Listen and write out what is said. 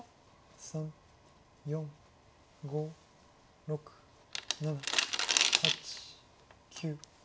３４５６７８９。